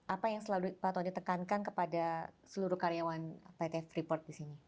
apa yang selalu pak tony tekankan kepada seluruh karyawan pt freeport di sini